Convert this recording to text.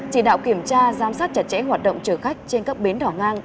chỉ đạo kiểm tra giám sát chặt chẽ hoạt động chở khách trên các bến đỏ ngang